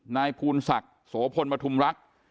ในพูลศักดิ์โสพลมุมรักษ์